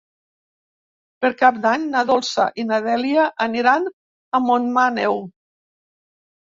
Per Cap d'Any na Dolça i na Dèlia aniran a Montmaneu.